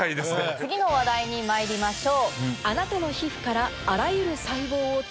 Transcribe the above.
次の話題にまいりましょう。